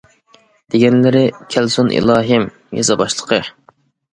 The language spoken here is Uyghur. — دېگەنلىرى كەلسۇن ئىلاھىم، يېزا باشلىقى.